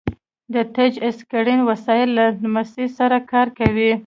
د ټچ اسکرین وسایل د لمس سره کار کوي.